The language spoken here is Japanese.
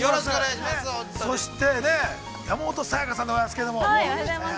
◆そして、山本彩さんでございますけども。